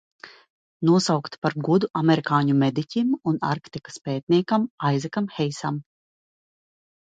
Nosaukta par godu amerikāņu mediķim un Arktikas pētniekam Aizekam Heisam.